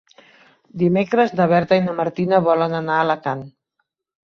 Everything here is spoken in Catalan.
Dimecres na Berta i na Martina volen anar a Alacant.